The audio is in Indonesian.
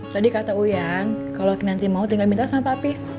tadi kata uyan kalau kinanti mau tinggal minta sama papi